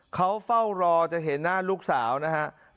เขาเฝ้ารอจะเห็นหน้าลูกสาวนะครับ